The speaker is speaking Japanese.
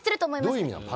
どういう意味なの？